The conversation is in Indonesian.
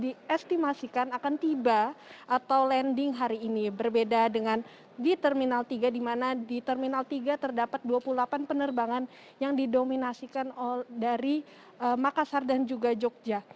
diestimasikan akan tiba atau landing hari ini berbeda dengan di terminal tiga di mana di terminal tiga terdapat dua puluh delapan penerbangan yang didominasikan dari makassar dan juga jogja